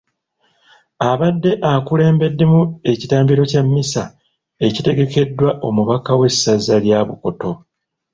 Abadde akulembeddemu ekitambiro kya Mmisa ekitegekeddwa omubaka w’essaza lya Bukoto .